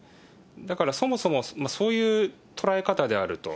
だから、そもそも、そういう捉え方であると。